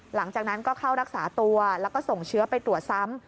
หลังจากนั้นก็เข้ารักษาตัวแล้วก็ส่งเชื้อไปตรวจซ้ำ